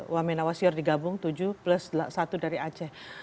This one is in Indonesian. wamen awasyor digabung tujuh plus satu dari aceh